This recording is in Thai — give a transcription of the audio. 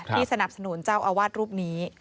สนับสนุนเจ้าอาวาสรูปนี้